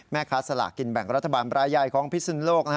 แม่ค้าสลากกินแบ่งรัฐบาลประยายของพิศลโลก